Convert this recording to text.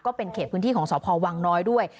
ก็เป็นเขตพื้นที่ของสภครองหลวงน้อยด้วย